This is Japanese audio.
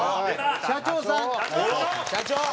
社長さん。社長！